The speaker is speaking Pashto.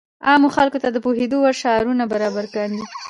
عامو خلکو ته د پوهېدو وړ شعارونه برابر کاندي.